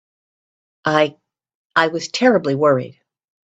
I—I was terribly worried.